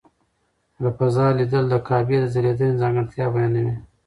له فضا لیدل د کعبې د ځلېدنې ځانګړتیا بیانوي.